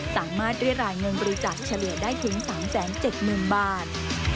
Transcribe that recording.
สามารถด้วยหลายเงินบริจาคเฉลี่ยได้ถึง๓๗๐๐๐๐บาท